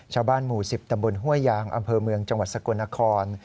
ชาวบ้านหมู่๑๐ตำบลห้วยยางอำเภอเมืองจังหวัดสกลนคร